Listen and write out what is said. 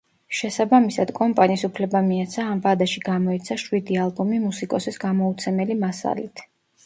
შესაბამისად, კომპანის უფლება მიეცა, ამ ვადაში გამოეცა შვიდი ალბომი მუსიკოსის გამოუცემელი მასალით.